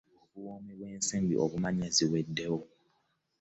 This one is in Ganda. Obuwoomi bw'ensimbi obumanya ziweddewo.